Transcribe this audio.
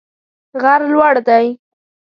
غر لوړ دی